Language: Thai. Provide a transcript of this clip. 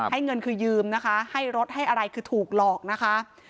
เงินคือยืมนะคะให้รถให้อะไรคือถูกหลอกนะคะ